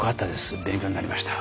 勉強になりました。